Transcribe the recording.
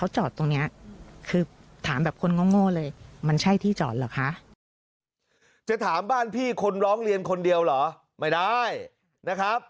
จะถามบ้านพี่คนร้องเรียนคนเดียวเหรอไม่ได้นะครับ